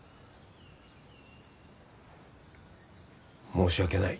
申し訳ない。